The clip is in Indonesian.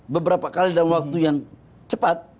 beberapa kali dalam waktu yang cepat